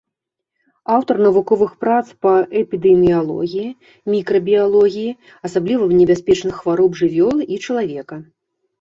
Аўтар навуковых прац па эпідэміялогіі, мікрабіялогіі асабліва небяспечных хвароб жывёлы і чалавека.